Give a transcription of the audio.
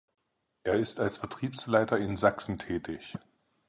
Er ist als Vertriebsleiter in Sachsen tätig.